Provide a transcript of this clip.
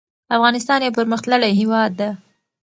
افغانستان يو پرمختللی هيواد ده